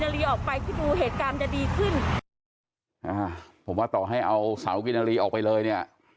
อะผมว่าต่อให้เอาเสาขนาฬีเอาไปเลยเนี่ย